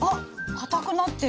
かたくなってる。